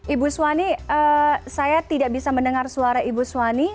ibu suwani saya tidak bisa mendengar suara ibu suwani